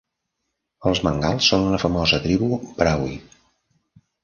Els mengals són una famosa tribu brahui.